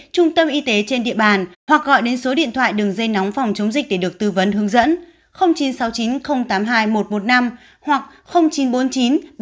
trung tâm y tế trên địa bàn hoặc gọi đến số điện thoại đường dây nóng phòng chống dịch để được tư vấn hướng dẫn chín trăm sáu mươi chín tám mươi hai một trăm một mươi năm hoặc chín trăm bốn mươi chín ba trăm chín mươi sáu một trăm một mươi năm